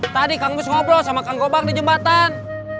tadi kang bus ngobrol sama kang gobang di jembatan